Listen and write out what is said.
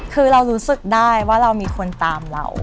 คือเรารู้สึกได้ว่าเรามีคนตามเรา